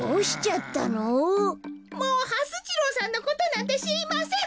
もうはす次郎さんのことなんてしりません！